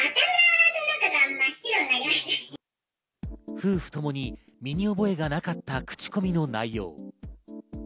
夫婦ともに身に覚えがなかった口コミの内容。